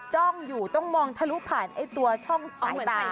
จ้องอยู่ต้องมองทะลุผ่านไอ้ตัวช่องสายตา